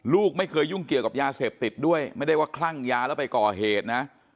ลูกไม่เคยยุ่งเกี่ยวกับยาเสพติดด้วยไม่ได้ว่าคลั่งยาแล้วไปก่อเหตุนะ